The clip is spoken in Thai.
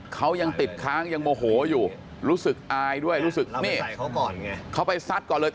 เขายังติดค้างยังโมโหอยู่รู้สึกอายด้วยรู้สึกนี่เขาไปซัดก่อนเลย